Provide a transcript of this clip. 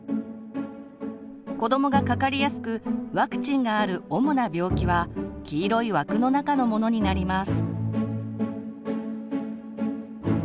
子どもがかかりやすくワクチンがある主な病気は黄色い枠の中のものになります。